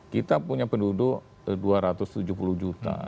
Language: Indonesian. kita punya penduduk dua ratus tujuh puluh juta